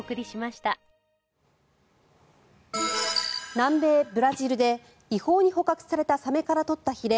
南米ブラジルで違法に捕獲されたサメから取ったひれ